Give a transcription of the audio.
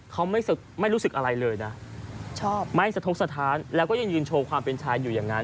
เขาไม่รู้สึกอะไรเลยนะชอบไม่สะทกสถานแล้วก็ยังยืนโชว์ความเป็นชายอยู่อย่างนั้น